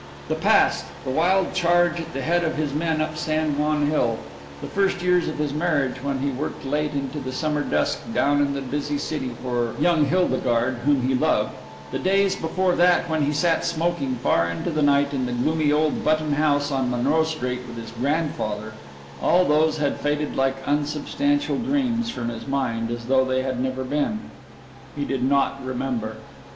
The past the wild charge at the head of his men up San Juan Hill; the first years of his marriage when he worked late into the summer dusk down in the busy city for young Hildegarde whom he loved; the days before that when he sat smoking far into the night in the gloomy old Button house on Monroe Street with his grandfather all these had faded like unsubstantial dreams from his mind as though they had never been. He did not remember.